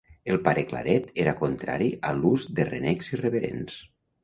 El Pare Claret era contrari a l'ús de renecs irreverents.